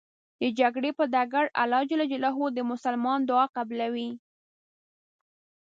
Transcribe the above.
د جګړې په ډګر الله ج د مسلمان دعا قبلوی .